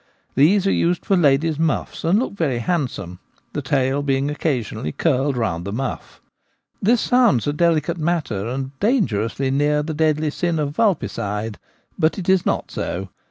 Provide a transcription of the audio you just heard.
These are used for ladies' muffs, and look very handsome ; the tail being occa sionally curled round the muff. This sounds a deli cate matter, and dangerously near the deadly sin of vulpecide. But it is not so.